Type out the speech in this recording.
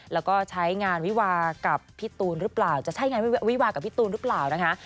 แล้วก็ใช้งานวิวากับพี่ตูนหรือเปล่าจะใช่งานวิวากับพี่ตูนหรือเปล่านะคะ